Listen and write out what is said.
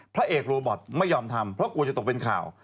พระเอกโรบอตไม่ยอมทำเพราะกลัวจะตกเป็นข่าว